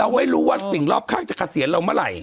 ไม่รู้ว่าสิ่งรอบข้างจะเกษียณเราเมื่อไหร่